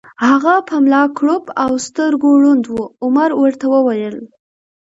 هغه په ملا کړوپ او سترګو ړوند و، عمر ورته وویل: